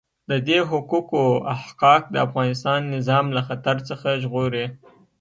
د دې حقوقو احقاق د افغانستان نظام له خطر څخه ژغوري.